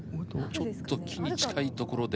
ちょっと木に近い所で。